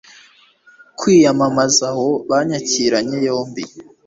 kwiyamamaza aho banyakiranye yombi